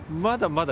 まだ。